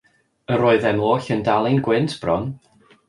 Yr oeddym oll yn dal ein gwynt bron.